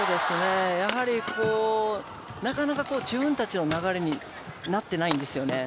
なかなか自分たちの流れになっていないんですよね。